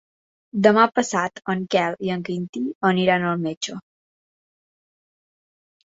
Demà passat en Quel i en Quintí aniran al metge.